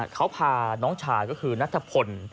เขาพาน้องชายก็คือนัทพล